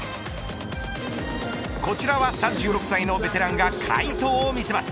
こちらは、３６歳のベテランが快投を見せます。